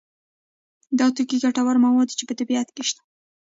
دا توکي ګټور مواد دي چې په طبیعت کې شته.